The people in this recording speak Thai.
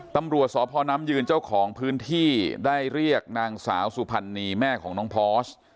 ตำรวจสพน้ำยืนเจ้าของพื้นที่ได้เรียกนางสาวสุพรรณีแม่ของน้องพอร์ส